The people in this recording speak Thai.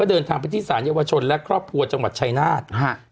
เดินทางไปที่สารเยาวชนและครอบครัวจังหวัดชายนาฏ